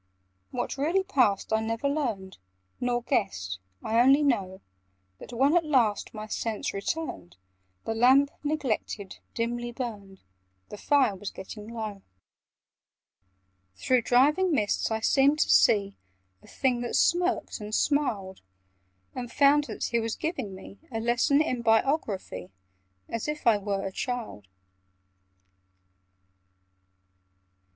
What really passed I never learned, Nor guessed: I only know That, when at last my sense returned, The lamp, neglected, dimly burned— The fire was getting low— Through driving mists I seemed to see A Thing that smirked and smiled: And found that he was giving me A lesson in Biography, As if I were a child.